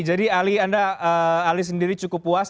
jadi ali sendiri cukup puas